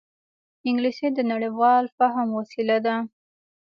انګلیسي د نړيوال فهم وسیله ده